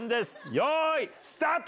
よいスタート！